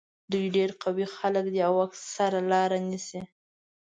دوی ډېر قوي خلک دي او اکثره لارې نیسي.